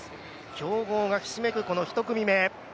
強豪がひしめく、この１組目。